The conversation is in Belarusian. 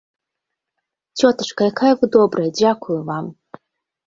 Цётачка, якая вы добрая, дзякую вам!